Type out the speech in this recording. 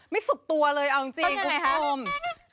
ไม่สุดตัวเลยเอาจริงกุ้มต้องยังไงฮะ